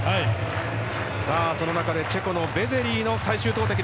さあ、その中でチェコ、ベゼリーの最終投てき。